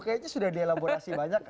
kayaknya sudah dielaborasi banyak